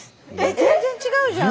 全然違うじゃん！